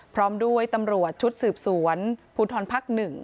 พร้อมด้วยตำรวจชุดสืบสวนภูทรภักดิ์๑